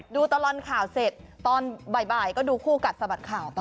ดูตลอดข่าวเสร็จตอนบ่ายก็ดูคู่กัดสะบัดข่าวต่อ